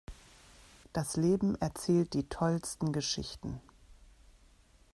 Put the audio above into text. Das Leben erzählt die tollsten Geschichten.